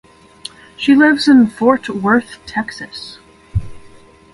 She lives in Fort Worth, Texas.